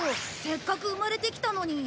せっかく生まれてきたのに。